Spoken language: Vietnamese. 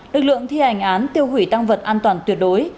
lực lượng thi hành án tiêu hủy tăng vật an toàn tuyệt đối